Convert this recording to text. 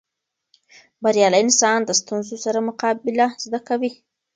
بریالی انسان د ستونزو سره مقابله زده کوي.